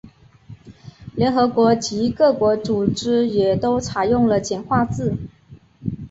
联合国及各国际组织也都采用了简化字。